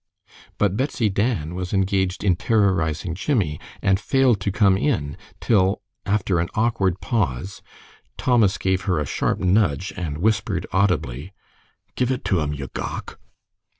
But Betsy Dan was engaged in terrorizing Jimmie, and failed to come in, till, after an awful pause, Thomas gave her a sharp nudge, and whispered audibly, "Give it to him, you gowk."